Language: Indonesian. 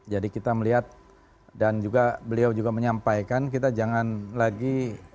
jadi kita melihat dan juga beliau juga menyampaikan kita jangan lagi